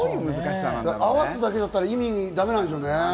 合わすだけだったらダメなんでしょうね。